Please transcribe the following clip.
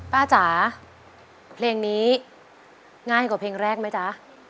จ๋าเพลงนี้ง่ายกว่าเพลงแรกไหมจ๊ะ